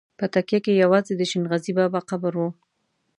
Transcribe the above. په تکیه کې یوازې د شین غزي بابا قبر و.